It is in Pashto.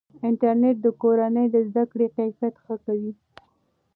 انټرنیټ د کورنۍ د زده کړې کیفیت ښه کوي.